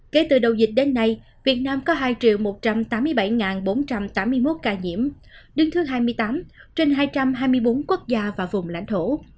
kể từ đầu dịch đến nay việt nam có hai một trăm tám mươi bảy bốn trăm tám mươi một ca nhiễm đứng thứ hai mươi tám trên hai trăm hai mươi bốn quốc gia và vùng lãnh thổ